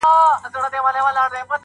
خان له زین او له کیزې سره را ستون سو -